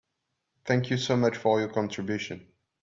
Thank you so much for your contribution.